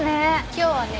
今日はね